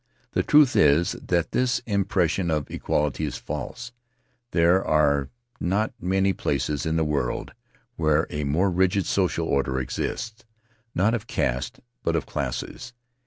The truth is that this impres sion of equality is false; there are not many places in the world where a more rigid social order exists — not of caste, but of classes.